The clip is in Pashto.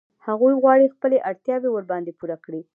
هغوی غواړي چې خپلې اړتیاوې ورباندې پوره کړي